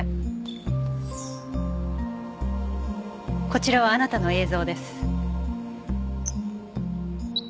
こちらはあなたの映像です。